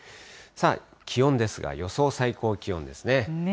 さあ、気温ですが、予想最高気温ですね。